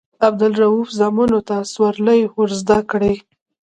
عبدالروف زامنو ته سورلۍ ورزده کړي.